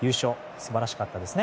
素晴らしかったですね。